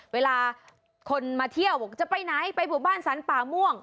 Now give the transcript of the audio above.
เวลาคนมาเที่ยวบอกจะไปไหนไปหมู่บ้านสรรป่าม่วง